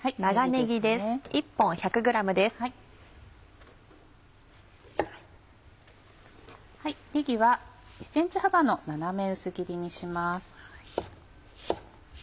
ねぎは１ｃｍ幅の斜め切りにします。